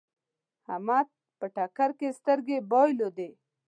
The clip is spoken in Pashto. احمد په ټکر کې سترګې بايلودې.